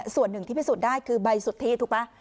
ส่วนหนึ่งที่พิสูจน์ได้คือใบสุทธิถูกไหม